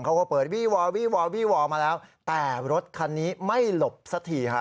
เขาก็เปิดวี่วอวี่วอวี่วอมาแล้วแต่รถคันนี้ไม่หลบสักทีฮะ